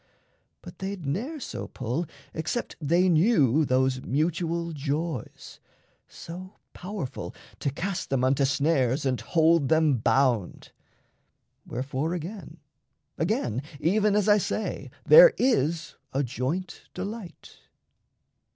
But they'd ne'er So pull, except they knew those mutual joys So powerful to cast them unto snares And hold them bound. Wherefore again, again, Even as I say, there is a joint delight.